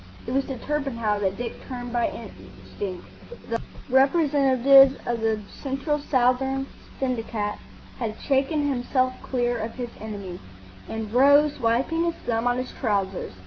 It was to Torpenhow that Dick turned by instinct. The representative of the Central Southern Syndicate had shaken himself clear of his enemy, and rose, wiping his thumb on his trousers.